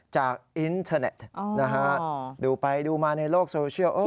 จากอินเทอร์เน็ตนะครับดูไปดูมาในโลกสโชธิอีน